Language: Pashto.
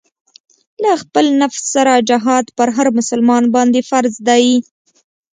له خپل نفس سره جهاد پر هر مسلمان باندې فرض دی.